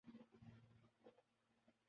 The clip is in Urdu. اور معاشی صورت حال اس نہج پر پہنچ